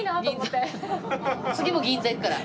次も銀座行くから。